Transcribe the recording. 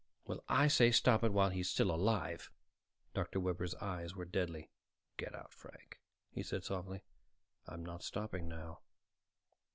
"Well, I say stop it while he's still alive." Dr. Webber's eyes were deadly. "Get out, Frank," he said softly. "I'm not stopping now."